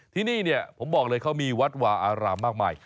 ที่นี่เนี่ยผมบอกเลยเขามีวัดวาอารามมากมาย